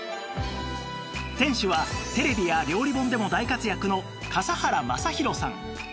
店主はテレビや料理本でも大活躍の笠原将弘さん